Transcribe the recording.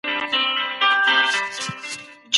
ایا ته په د ي اړه څه معلومات لري؟